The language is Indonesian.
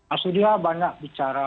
pak surya banyak bicara